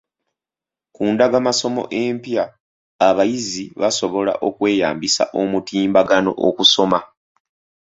Ku ndagamasomo empya, abayizi basobola okweyambisa omutimbagano okusoma.